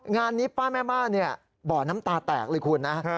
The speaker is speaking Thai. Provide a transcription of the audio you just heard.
งานนี้ป้าแม่บ้านบ่อน้ำตาแตกเลยคุณนะฮะ